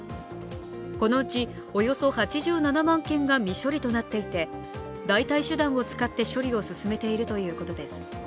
このうちおよそ８７万件が未処理となっていて代替手段を使って処理を進めているということです。